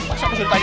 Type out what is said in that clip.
masuk ke surat tadi